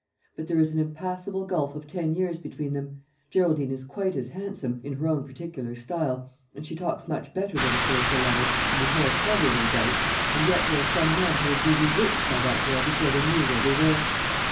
But there is an impassable gulf of ten years between them. Geraldine is quite as handsome in her own particular style and she talks much better than Clarissa Lovel, and is more clever, no doubt; and yet there are some men who would be bewitched by that girl before they knew where they were."